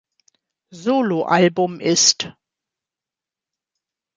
Soloalbum ist.